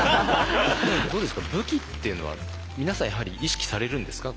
どうですか武器っていうのは皆さんやはり意識されるんですか？